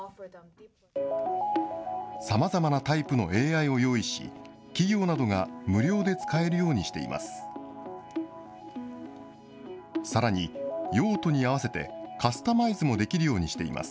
さまざまなタイプのＡＩを用意し、企業などが無料で使えるようにしています。